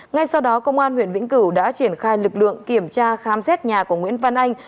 ngay sau đó công an huyện vĩnh cửu đã triển khai lực lượng kiểm tra khám xét nhà của nguyễn văn anh